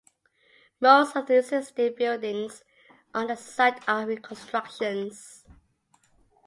Most of the existing buildings on the site are reconstructions.